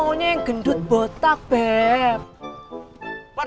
aku maunya yang gendut botak better